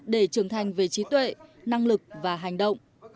để trưởng thành về trí tuệ năng lực và hành động